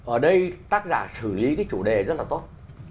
ở đây tác giả xử lý cái chủ đề rất là tốt